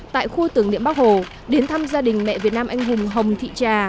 tại khu tưởng niệm bắc hồ đến thăm gia đình mẹ việt nam anh hùng hồng thị trà